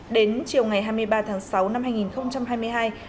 đến chiều ngày hai mươi ba tháng sáu năm hai nghìn hai mươi hai